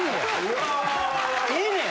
ええねや？